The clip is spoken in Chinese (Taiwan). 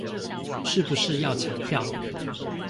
是不是要搶票